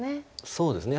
そうですね。